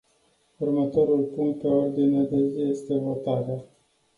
Următorul punct pe ordinea de zi este votarea.